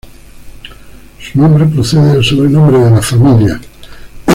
Su nombre procede del sobrenombre de la familia.